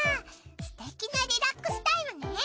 すてきなリラックスタイムね。